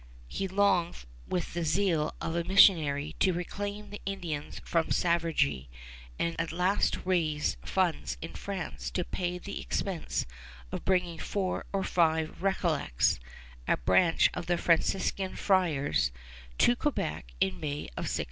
He longed with the zeal of a missionary to reclaim the Indians from savagery, and at last raised funds in France to pay the expense of bringing four or five Recollets a branch of the Franciscan Friars to Quebec in May of 1615.